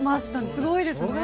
すごいですね。